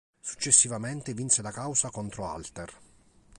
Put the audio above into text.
Successivamente vinse la causa contro Alter.